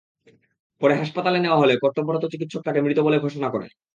পরে হাসপাতালে নেওয়া হলে কর্তব্যরত চিকিৎসক তাঁকে মৃত বলে ঘোষণা করেন।